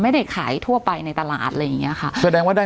ไม่ได้ขายทั่วไปในตลาดอะไรอย่างเงี้ยค่ะแสดงว่าได้